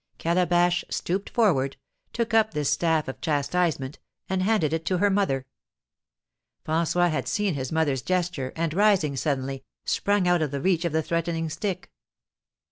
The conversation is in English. Calabash stooped forward, took up this staff of chastisement, and handed it to her mother. François had seen his mother's gesture, and, rising suddenly, sprung out of the reach of the threatening stick.